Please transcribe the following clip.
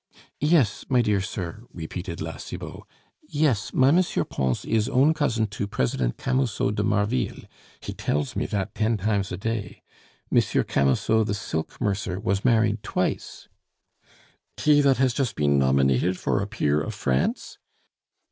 "Yes, my dear sir," repeated La Cibot. "Yes, my M. Pons is own cousin to President Camusot de Marville; he tells me that ten times a day. M. Camusot the silk mercer was married twice " "He that has just been nominated for a peer of France?